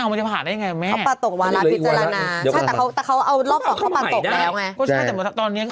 ไม่ผิดได้ยังงี้ก็เขาไม่เอาอ่ะ